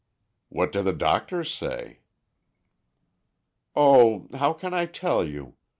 "What do the doctors say?" "Oh, how can I tell you?